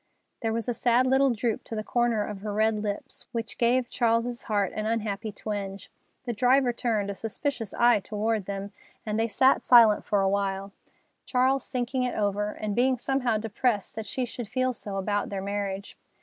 There was a sad little droop to the corners of her red lips, which gave Charles's heart an unhappy twinge. The driver turned a suspicious eye toward them, and they sat silent for a while, Charles thinking it over, and being somehow depressed that she should feel so about their marriage.